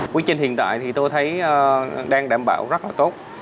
quy trình hiện tại thì tôi thấy đang đảm bảo rất là tốt